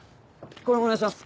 これもお願いします。